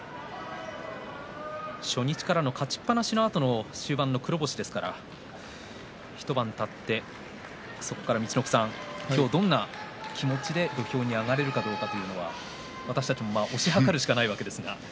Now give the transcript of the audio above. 初日からの勝ちっぱなしのあとの終盤の黒星ですから一晩たって、そこから今日、どんな気持ちで土俵に上がれるかどうか私たちも推し量るしかないわけですが。